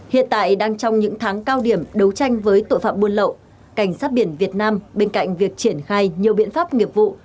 hiện tại đang trong những tháng cao điểm đấu tranh với tội phạm buôn lậu cảnh sát biển việt nam bên cạnh việc triển khai nhiều biện pháp nghiệp vụ